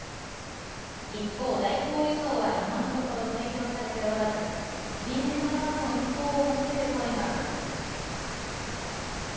一方、代行輸送は今のところ提供されておらず臨時のバスの運行を求める声が上がっています。